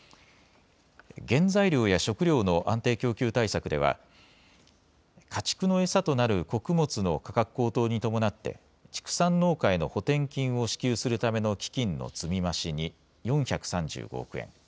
原材料や食料の安定供給対策では家畜の餌となる穀物の価格高騰に伴って畜産農家への補填金を支給するための基金の積み増しに４３５億円。